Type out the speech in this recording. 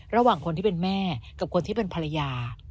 ระหว่างคนที่เป็นแม่กับคนที่เป็นภรรยา